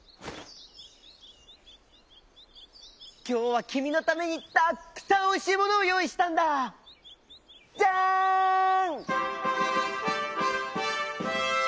「きょうはきみのためにたっくさんおいしいものをよういしたんだ！じゃん！」。